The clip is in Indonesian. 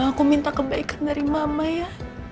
aku minta kebaikan dari mama ya